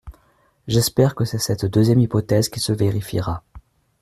J’espère que c’est cette deuxième hypothèse qui se vérifiera.